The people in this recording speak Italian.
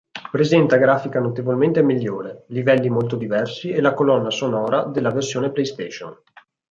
Presenta grafica notevolmente migliore, livelli molto diversi e la colonna sonora della versione PlayStation.